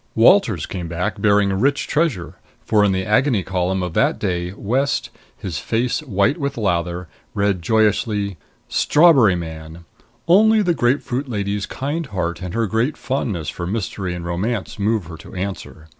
Walters came back bearing rich treasure, for in the Agony Column of that day West, his face white with lather, read joyously: STRAWBERRY MAN: Only the grapefruit lady's kind heart and her great fondness for mystery and romance move her to answer.